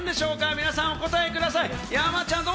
皆さん、お答えください。